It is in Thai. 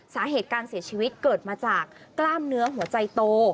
สาเหตุการเสียชีวิตเกิดมาจากกล้ามเนื้อหัวใจโต